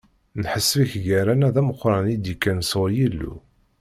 Neḥseb-ik gar-aneɣ d ameqran i d-ikkan sɣur Yillu.